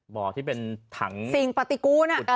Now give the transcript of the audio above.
บ่อที่เป็นถังสิ่งปฏิกูล